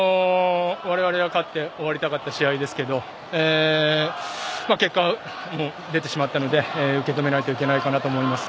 われわれが勝って終わりたかった試合でしたがまあ結果が出てしまったので受け止めないといけないかなと思います。